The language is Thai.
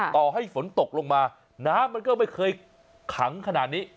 ต่อให้ฝนตกลงมาน้ำมันก็ไม่เคยขังขนาดนี้